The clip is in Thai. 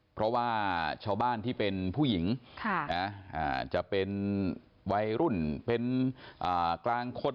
เพราะว่าชาวบ้านที่เป็นผู้หญิงจะเป็นวัยรุ่นเป็นกลางคน